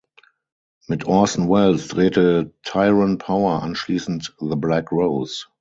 Mit Orson Welles drehte Tyrone Power anschließend "The Black Rose".